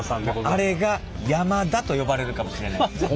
あれが山田と呼ばれるかもしれないですね。